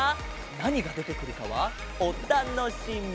なにがでてくるかはおたのしみ！